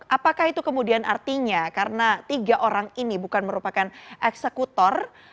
apakah itu kemudian artinya karena tiga orang ini bukan merupakan eksekutor